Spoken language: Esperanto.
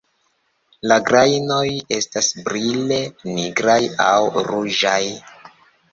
La grajnoj estas brile nigraj aŭ ruĝaj.